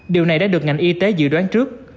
điều này đã được ngành y tế dự đoán trước